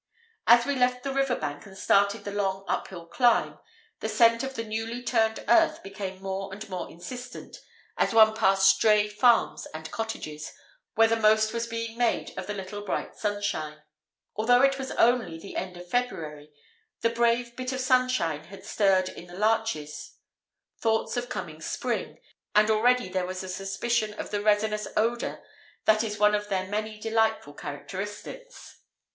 As we left the river bank and started the long uphill climb, the scent of the newly turned earth became more and more insistent as one passed stray farms and cottages, where the most was being made of the little bright sunshine. Although it was only the end of February, the brave bit of sunshine had stirred in the larches thoughts of coming spring, and already there was a suspicion of the resinous odour that is one of their many delightful characteristics.